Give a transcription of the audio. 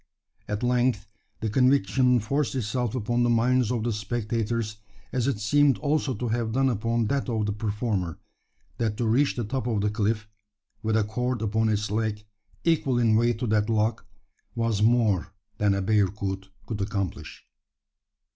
At length the conviction forced itself upon the minds of the spectators as it seemed also to have done upon that of the performer that to reach the top of the cliff with a cord upon its leg, equal in weight to that log was more than a bearcoot could accomplish.